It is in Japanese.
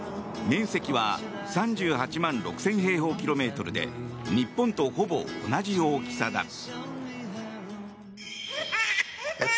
面積は３８万６０００平方キロメートルで日本とほぼ同じ大きさだ。